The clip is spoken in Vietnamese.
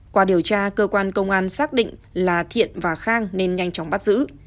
qua điều tra cơ quan công an xác định là thiện và khang nên nhanh chóng bắt giữ